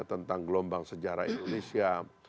tentang gelombang sejarah indonesia